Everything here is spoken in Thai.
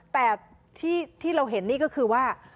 แต่ที่เราเห็นนี่ก็คือว่า